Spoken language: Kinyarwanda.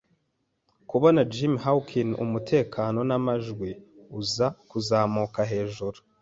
kubona Jim Hawkins, umutekano n'amajwi, uza kuzamuka hejuru